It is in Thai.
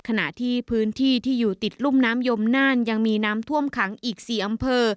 ขณะที่พื้นที่ที่อยู่ติดรุ่มน้ำยมน่านยังมีน้ำท่วมขังอีก๔อำเภอ